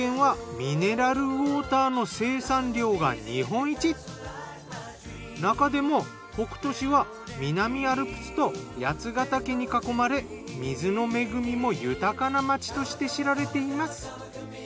山梨県はなかでも北杜市は南アルプスと八ヶ岳に囲まれ水の恵みも豊かな町として知られています。